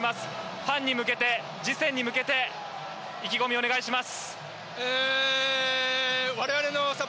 ファンに向けて、次戦に向けて意気込みをお願いします。